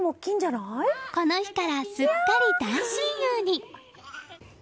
この日からすっかり大親友に！